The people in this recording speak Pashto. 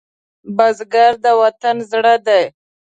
بزګر د وطن زړه دی